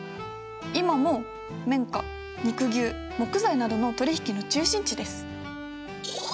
今も綿花肉牛木材などの取り引きの中心地です。